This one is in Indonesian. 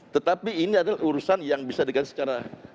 tetapi ini adalah urusan yang bisa diganti secara